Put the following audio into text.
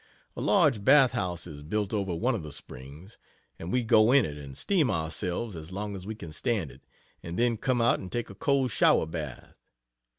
A large bath house is built over one of the springs, and we go in it and steam ourselves as long as we can stand it, and then come out and take a cold shower bath.